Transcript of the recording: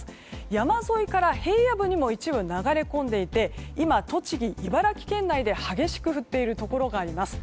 山沿いから平野部にも一部流れ込んでいて今、栃木、茨城県内で激しく降っているところがあります。